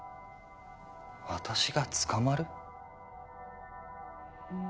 私が捕まる？